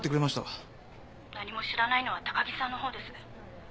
何も知らないのは高木さんの方です。